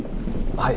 はい。